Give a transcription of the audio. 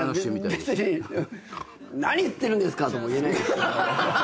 何言ってるんですか！とも言えないですけど。